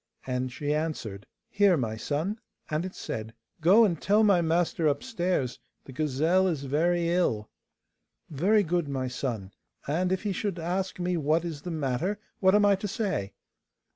And she answered, 'Here, my son?' And it said, 'Go and tell my master upstairs the gazelle is very ill.' 'Very good, my son; and if he should ask me what is the matter, what am I to say?